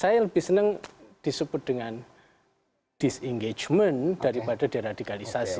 saya lebih senang disebut dengan disengajement daripada deradikalisasi